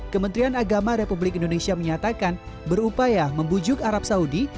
kementerian agama republik indonesia menyatakan berupaya membujuk arab saudi